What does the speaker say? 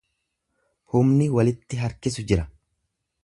Humni walitti harkisu jira.